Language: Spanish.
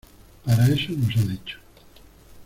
Para eso nos han hecho.